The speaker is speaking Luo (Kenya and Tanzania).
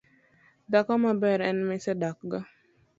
Dhako maber en ma isedakgo